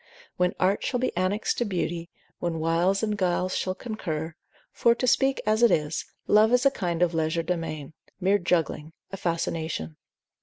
When art shall be annexed to beauty, when wiles and guiles shall concur; for to speak as it is, love is a kind of legerdemain; mere juggling, a fascination.